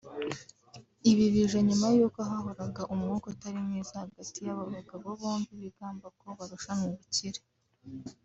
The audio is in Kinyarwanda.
Ibi bije nyuma y’uko hahoraga umwuka utari mwiza hagati y’aba bagabo bombi bigamba ko barushanwa ubukire